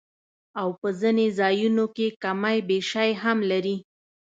او پۀ ځنې ځايونو کښې کمی بېشی هم لري